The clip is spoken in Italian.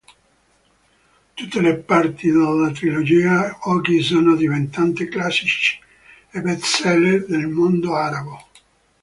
Tutte le parti della trilogia oggi sono diventate classici e bestseller nel mondo Arabo.